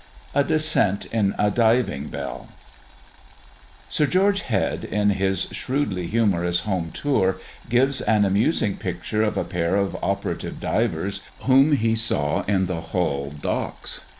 A DESCENT IN A DIVING BELL. Sir George Head, in his shrewdly humorous Home Tour, gives an amusing picture of a pair of operative divers whom he saw in the Hull docks.